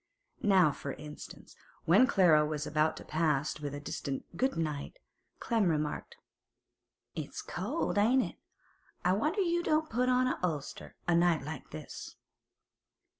Now, for instance, when Clara was about to pass with a distant 'Good night,' Clem remarked: 'It's cold, ain't it? I wonder you don't put on a ulster, a night like this.